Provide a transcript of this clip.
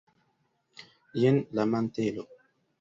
jen la mantelo!